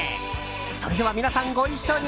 それでは皆さん、ご一緒に。